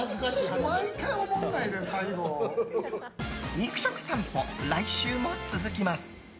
肉食さんぽ、来週も続きます。